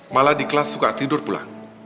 malah di kelas suka tidur pulang